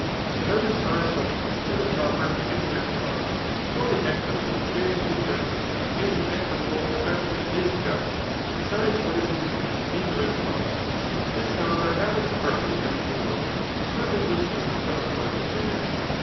But others are a supplement to the proper and written law. For the equitable appears to be just ; and (he equitable is that which is just, besides what is enjoined chap;: XIV. rhetoric; gs in the written law. This, however , happens ptrtly against die wiU, and partly with the will of the legislators.